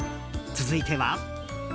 続いては。